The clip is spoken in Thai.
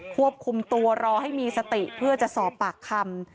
ควบคุมตัวรอให้มีสติเพื่อจะสอบปากคำ